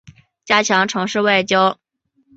加强城市外交